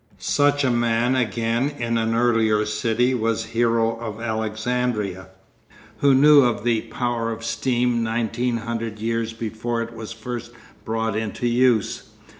Such a man again in an earlier city was Hero of Alexandria, who knew of the power of steam nineteen hundred years before it was first brought into use.